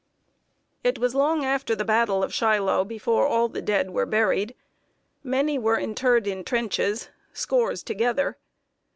It was long after the battle of Shiloh before all the dead were buried. Many were interred in trenches, scores together.